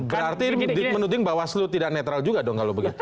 berarti menurut anda bawaslu tidak netral juga kalau begitu